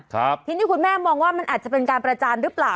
ทีนี้คุณแม่มองว่ามันอาจจะเป็นการประจานหรือเปล่า